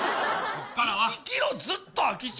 １キロずっと空き地